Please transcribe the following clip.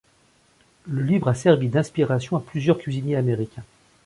Le livre a servi d'inspiration à plusieurs cuisiniers américains.